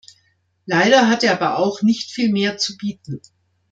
Leider hat er aber auch nicht viel mehr zu bieten.